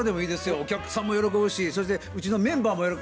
お客さんも喜ぶしそれでうちのメンバーも喜ぶ。